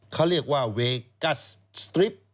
เขาเรียกว่าเวกัสสตริป